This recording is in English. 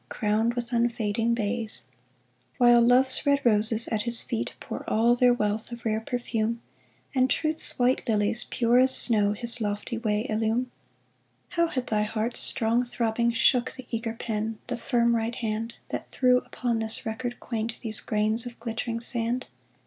Crowned with unfading bays — While Love's red roses at his feet Pour all their wealth of rare perfume, And Truth's white lilies, pure as snow, His lofty way illume — FOUR LETTERS 327 How had thy heart's strong throbbing shook The eager pen, the firm right hand, That threw upon this record quaint These grains of glittering sand